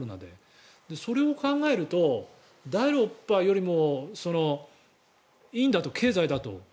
それを考えると、第６波よりもいいんだと、経済だと。